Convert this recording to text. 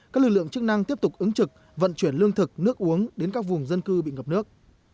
các lực lượng chức năng tiếp tục ứng trực vận chuyển lương thực nước uống đến các vùng dân cư bị ngập nước